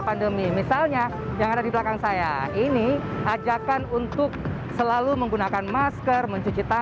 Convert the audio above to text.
pandemi misalnya yang ada di belakang saya ini ajakan untuk selalu menggunakan masker mencuci tangan